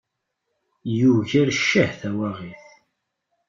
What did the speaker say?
Yugar cceh, tawaɣit.